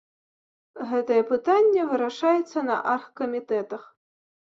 Гэтае пытанне вырашаецца на аргкамітэтах.